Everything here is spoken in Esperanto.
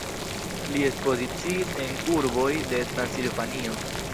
Li ekspoziciis en urboj de Transilvanio.